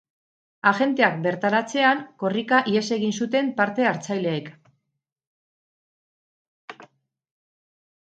Agenteak bertaratzean, korrika ihes egin zuten parte hartzaileek.